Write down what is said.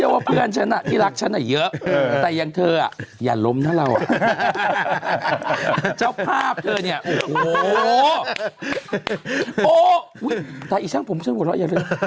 อือคุณเลยตีเป็นเลขนี้ออกมา